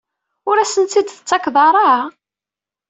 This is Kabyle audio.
Ur asen-tt-id-tettakeḍ ara?